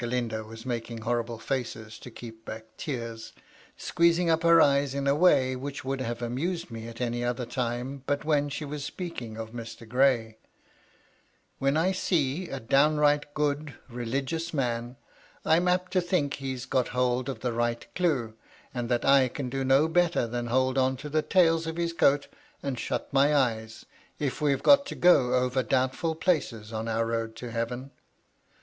Galindo was making horrible £bu»s, to keep back tears, squeezing up her eyes in a way which would have amused me at any other time, but when she was speaking of Mr. Gray); "when I see a downright good, religious man, I'm apt to think he's got hold of the right clue, and that I can do no better than hold on by the tails of his coat and shut my eyes, if we've got to go over doubtful places on our road to Heaven.